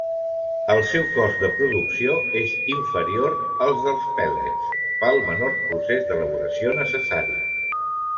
El seu cost de producció és inferior al dels pèl·lets, pel menor procés d’elaboració necessari.